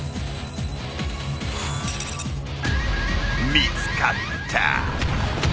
見つかったぁ。